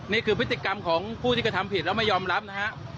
นี่คือพฤติกรรมของผู้ที่กระทำผิดแล้วไม่ยอมรับนะฮะ